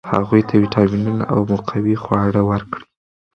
هغوی ته ویټامینونه او مقوي خواړه ورکړئ.